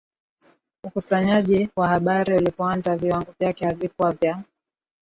Ukusanyaji wa habari ulipoanza viwango vyake havikuwa vya